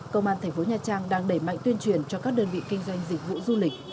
công an tp nhcm đang đẩy mạnh tuyên truyền cho các đơn vị kinh doanh dịch vụ du lịch